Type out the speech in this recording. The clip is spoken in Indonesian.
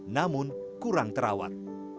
namun kurang terawat